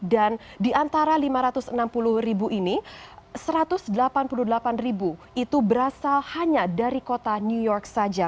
dan di antara lima ratus enam puluh ini satu ratus delapan puluh delapan itu berasal hanya dari kota new york saja